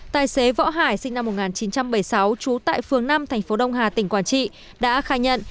tài xế võ hải sinh năm một nghìn chín trăm bảy mươi sáu trú tại phường năm thành phố đông hà tỉnh quảng trị đã khai nhận